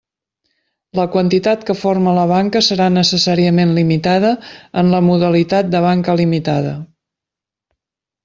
La quantitat que forme la banca serà necessàriament limitada en la modalitat de banca limitada.